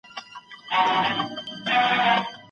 ډاکټره کولای سي اوږده پاڼه ړنګه کړي.